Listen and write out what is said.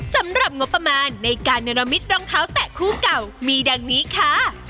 สำหรับงบประมาณในการเนรมิตรองเท้าแตะคู่เก่ามีดังนี้ค่ะ